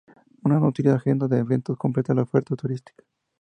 Una nutrida agenda de eventos completa la oferta turística.